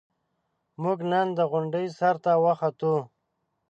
موږ نن د غونډۍ سر ته وخوتو.